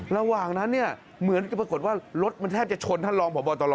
ระหว่างนั้นเนี่ยเหมือนกับปรากฏว่ารถมันแทบจะชนท่านรองพบตร